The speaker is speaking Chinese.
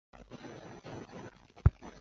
森尚子。